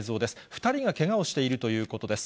２人がけがをしているということです。